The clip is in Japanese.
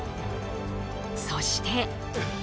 そして。